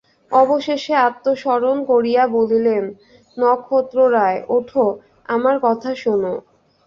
অবশেষে আত্মসম্বরণ করিয়া বলিলেন, নক্ষত্ররায়, ওঠো, আমার কথা শোনো।